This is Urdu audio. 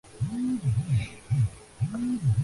لیکن کیا کیا جائے۔